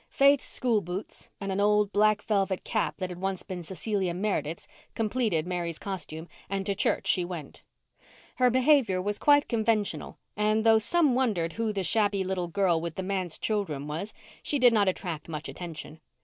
Faith's school boots, and an old black velvet cap that had once been Cecilia Meredith's, completed Mary's costume, and to church she went. Her behaviour was quite conventional, and though some wondered who the shabby little girl with the manse children was she did not attract much attention.